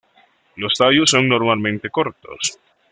Los tallos son normalmente cortos.